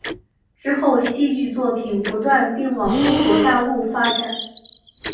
之后戏剧作品不断并往中国大陆发展。